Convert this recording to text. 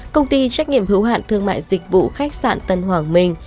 công ty trách nhiệm hữu hạn thương mại dịch vụ khách sạn tân hoàng minh